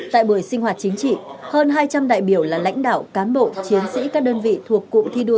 tại buổi sinh hoạt chính trị hơn hai trăm linh đại biểu là lãnh đạo cán bộ chiến sĩ các đơn vị thuộc cụm thi đua